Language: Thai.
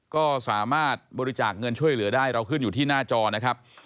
ก็สามารถบริจาคเงินช่วยเหลือได้เราขึ้นอยู่ที่หน้าจอนะครับ